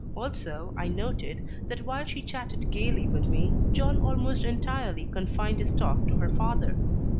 Also, I noted, that while she chatted gaily with me, John almost entirely confined his talk to her father.